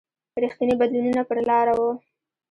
رښتیني بدلونونه پر لاره و.